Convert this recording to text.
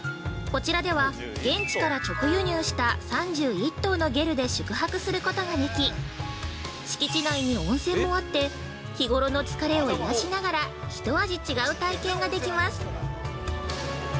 こちらでは現地から直輸入した３１棟のゲルで宿泊することができ、敷地内に温泉もあって、日頃の疲れを癒しながら一味違う体験ができます。